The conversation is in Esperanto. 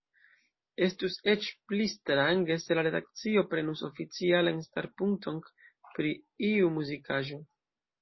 Estus eĉ pli strange se la redakcio prenus oficialan starpunkton pri iu muzikaĵo.